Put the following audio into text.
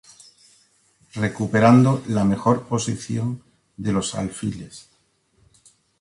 Recuperando la mejor posición de los alfiles.